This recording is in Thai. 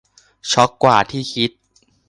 ช็อกกว่าที่คิด